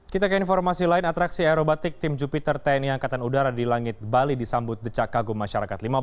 kita ke informasi lain atraksi aerobatik tim jupiter tni angkatan udara di langit bali disambut decak kagum masyarakat